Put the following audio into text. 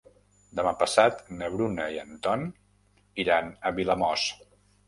Demà passat na Bruna i en Ton iran a Vilamòs.